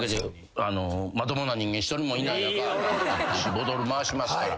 ボトル回しますから。